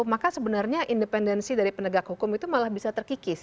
maka sebenarnya independensi dari penegak hukum itu malah bisa terkikis